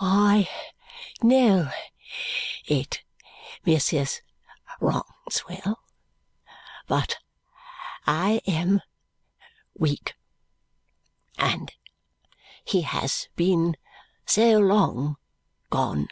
"I know it, Mrs. Rouncewell, but I am weak and she has been so long gone."